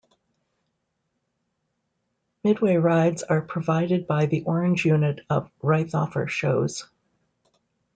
Midway Rides are provided by the Orange unit of Reithoffer Shows.